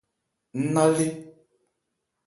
Ń na lé.